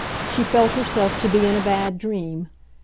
She felt herself to be in a bad dream.